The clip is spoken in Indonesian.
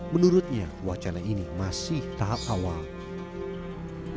menurutnya wacana ini masih tahap awal